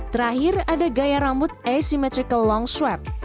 terakhir ada gaya rambut asymmetrical long swept